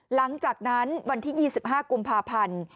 หลังจากนั้นวันที่๒๕กุมภาพันธ์